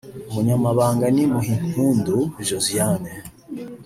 Umunyamabanga ni Muhimpundu Josiane